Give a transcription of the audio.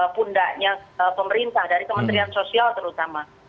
pundaknya pemerintah dari kementerian sosial terutama